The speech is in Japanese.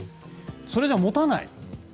それじゃ持たない。